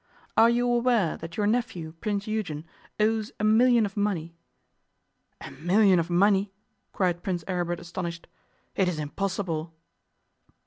Are you aware that your nephew, Prince Eugen, owes a million of money?' 'A million of money!' cried Prince Aribert astonished. 'It is impossible!